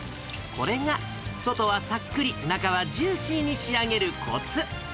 これが、外はさっくり、中はジューシーに仕上げるこつ。